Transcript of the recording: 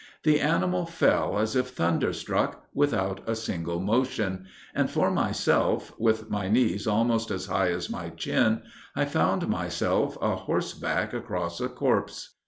The animal fell as if thunderstruck, without a single motion; and, for myself, with my knees almost as high as my chin, I found myself a horseback across a corpse!